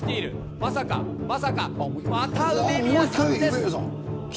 まさか、まさか、また梅宮さんです。